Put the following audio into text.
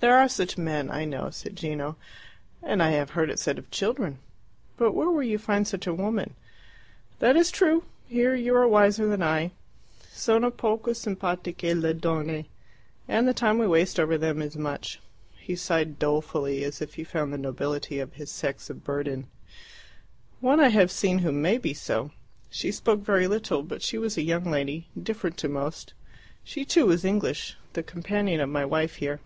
"There are such men, I know," said Gino. "And I have heard it said of children. But where will you find such a woman?" "That is true. Here you are wiser than I. SONO POCO SIMPATICHE LE DONNE. And the time we waste over them is much." He sighed dolefully, as if he found the nobility of his sex a burden. "One I have seen who may be so. She spoke very little, but she was a young lady different to most. She, too, was English, the companion of my wife here.